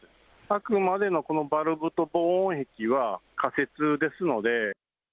あくまでもこのバルブと防音壁は仮設ですので。